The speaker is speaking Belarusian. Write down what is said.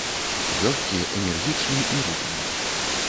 Вёрткі, энергічны і рупны.